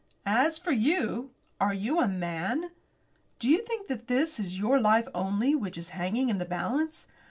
"As for you are you a man? Do you think that it is your life only which is hanging in the balance?